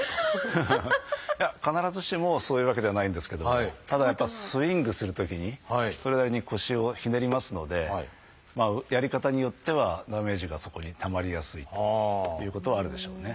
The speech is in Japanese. いや必ずしもそういうわけではないんですけどもただやっぱスイングするときにそれなりに腰をひねりますのでやり方によってはダメージがそこにたまりやすいということはあるでしょうね。